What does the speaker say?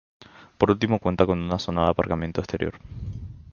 Por último cuenta con una zona de aparcamiento exterior.